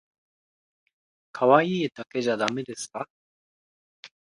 可愛いだけじゃだめですか？